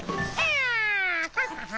ア！ハハハ。